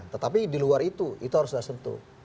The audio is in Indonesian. tetapi di luar itu itu harus sudah sentuh